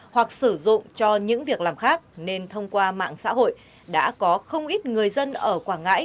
hoặc sử dụng cho những việc làm khác nên thông qua mạng xã hội đã có không ít người dân ở quảng ngãi